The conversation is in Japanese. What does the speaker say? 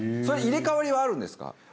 それ入れ替わりはあるんですか？